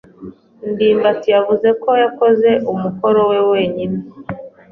ndimbati yavuze ko yakoze umukoro we wenyine.